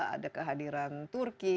ada kehadiran turki